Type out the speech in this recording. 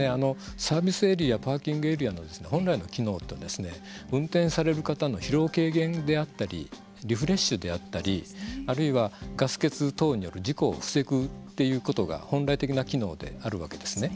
サービスエリアパーキングエリアの本来の機能というのは運転される方の疲労軽減であったりリフレッシュであったりあるいはガス欠等による事故を防ぐということが本来的な機能であるわけですね。